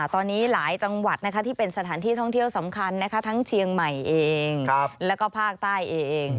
ตอนนี้หลายจังหวัดที่เป็นสถานที่ท่องเที่ยวสำคัญทั้งเชียงใหม่เองแล้วก็ภาคใต้เอง